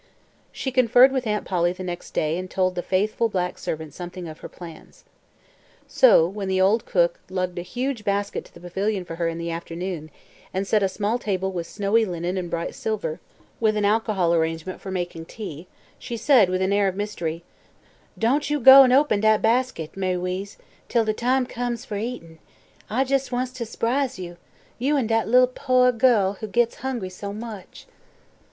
She conferred with Aunt Polly the next day and told the faithful black servant something of her plans. So, when the old cook lugged a huge basket to the pavilion for her in the afternoon, and set a small table with snowy linen and bright silver, with an alcohol arrangement for making tea, she said with an air of mystery: "Don' yo' go open dat bastik, Ma'y 'Weeze, till de time comes fer eatin'. I jes' wants to s'prise yo' yo' an' dat li'l' pooah girl what gits hungry so much."